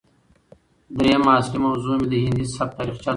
درييمه اصلي موضوع مې د هندي سبک تاريخچه ده